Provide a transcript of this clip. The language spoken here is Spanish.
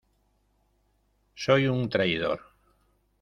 soy un traidor.